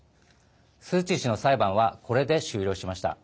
スー・チー氏の裁判はこれで終了しました。